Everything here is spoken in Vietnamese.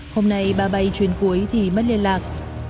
hôm nay ba bay chuyến cuối thì mất liên lạc